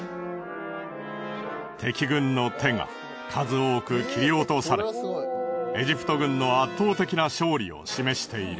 敵軍の手が数多く切り落とされエジプト軍の圧倒的な勝利を示している。